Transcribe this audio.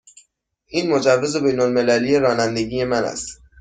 این مجوز بین المللی رانندگی من است.